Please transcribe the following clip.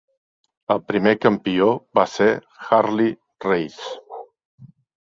El primer campió va ser Harley Race.